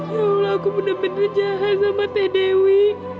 ya aku benar benar jahat sama teh dewi